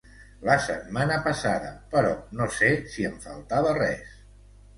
La setmana passada, però no se si em faltava res.